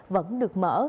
vẫn được mở